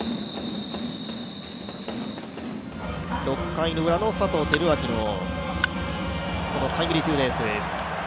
６回のウラの佐藤輝明のタイムリーツーベース。